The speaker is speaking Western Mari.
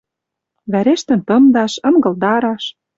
Вӓрештӹн тымдаш, ынгылдараш